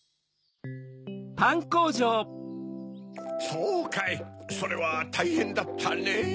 そうかいそれはたいへんだったねぇ。